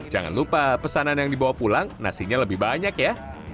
jangan lupa pesanan yang dibawa pulang nasinya lebih banyak ya